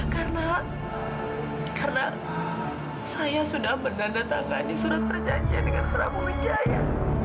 karena karena saya sudah mendandatangani surat perjanjian dengan prabu wijaya